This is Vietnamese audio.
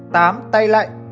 tám tay lạnh